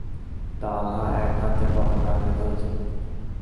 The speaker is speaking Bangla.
তালহা এক হাতে পতাকা আঁকড়ে ধরেছিল।